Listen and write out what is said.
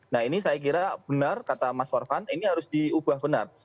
nah ini saya kira benar kata mas sorvan ini harus diubah benar